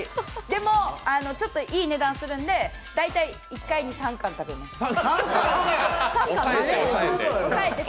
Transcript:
でも、ちょっといい値段するんで、大体１回に３箱まで。